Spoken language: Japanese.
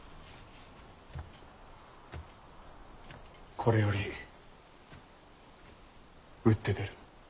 これより打って出る。